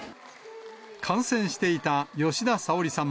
観戦していた吉田沙保里さん